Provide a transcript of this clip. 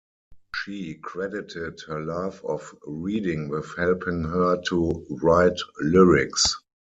She credited her love of reading with helping her to write lyrics.